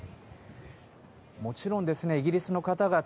もちろんイギリスの方々